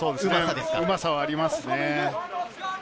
うまさがありますね。